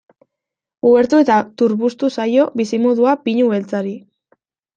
Uhertu eta turbustu zaio bizimodua pinu beltzari.